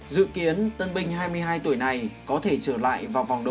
dự kiến tân binh hai mươi hai tuổi này có thể trở lại vào vòng đầu